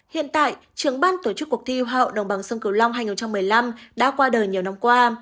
hiện tại trường ban tổ chức cuộc thi hoa hậu đồng bằng sông cửu long hai nghìn một mươi năm đã qua đời nhiều năm qua